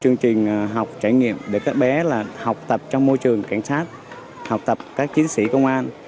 chương trình học trải nghiệm để các bé học tập trong môi trường cảnh sát học tập các chiến sĩ công an